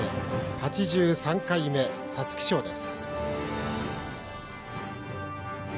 ８３回目、皐月賞です。